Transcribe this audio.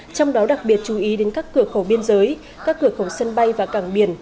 trong đó đặc biệt chú ý đến các cửa khẩu biên giới các cửa khẩu sân bay và cảng biển